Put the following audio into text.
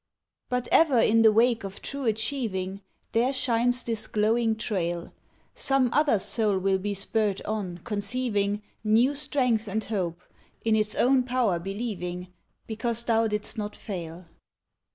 But ever in the wake of true achieving, There shines this glowing trail Some other soul will be spurred on, conceiving, New strength and hope, in its own power believing, Because thou didst not fail.